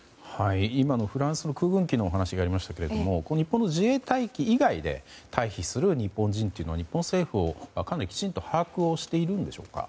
今のフランスの空軍機のお話がありましたけれども日本の自衛隊機以外に退避する日本人について日本政府は、きちんと把握しているんでしょうか。